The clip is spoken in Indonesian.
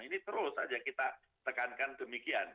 ini terus saja kita tekankan demikian